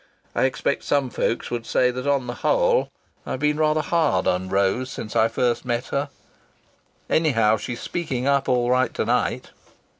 I expect some folks would say that on the whole I've been rather hard on Rose since I first met her!... Anyhow, she's speaking up all right to night!"